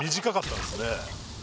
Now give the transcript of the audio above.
短かったんですね。